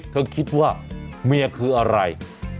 เธอคิดว่าเมียคืออะไร